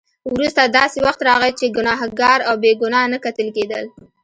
وروسته داسې وخت راغی چې ګناهګار او بې ګناه نه کتل کېدل.